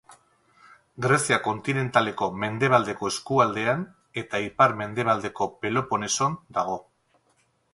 Grezia kontinentaleko mendebaldeko eskualdean eta ipar-mendebaldeko Peloponeson dago.